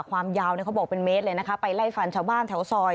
ความยาวเขาบอกเป็นเมตรเลยนะคะไปไล่ฟันชาวบ้านแถวซอย